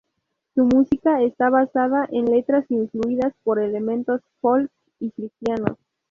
Su música está basada en letras influidas por elementos folk y cristianos.